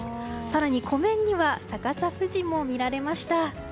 更に、湖面には逆さ富士も見られました。